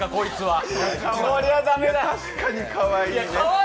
確かにかわいいね。